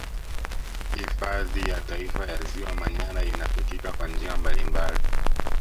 Hifadhi ya Taifa ya ziwa Manyara inafikika kwa njia mbalimbali